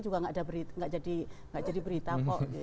juga tidak jadi berita kok